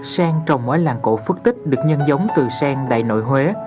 sen trồng ở làng cổ phước tích được nhân giống từ sen đại nội huế